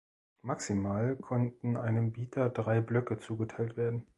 Maximal konnten einem Bieter drei Blöcke zugeteilt werden.